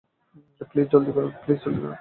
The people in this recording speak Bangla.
প্লিজ জলদি করুন।